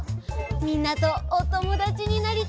みんなとおともだちになりたいんだ。